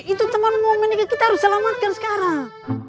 itu teman momennya kita harus selamatkan sekarang